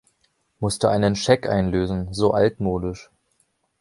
Musste einen Scheck einlösen, so altmodisch.